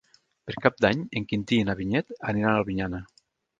Per Cap d'Any en Quintí i na Vinyet aniran a Albinyana.